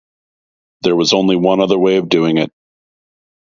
There was only one other way of doing it.